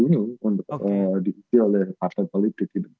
ini untuk diisi oleh partai politik gitu